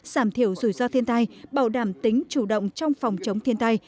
giảm thiểu rủi ro thiên tai bảo đảm tính chủ động trong phòng chống thiên tai